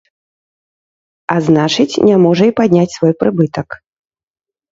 А значыць, не можа і падняць свой прыбытак.